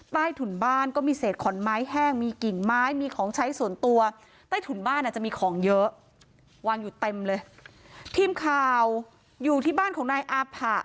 ใต้ถุนบ้านก็มีเศษขอนไม้แห้งมีกิ่งไม้มีของใช้ส่วนตัวใต้ถุนบ้านอาจจะมีของเยอะวางอยู่เต็มเลยทีมข่าวอยู่ที่บ้านของนายอาผะ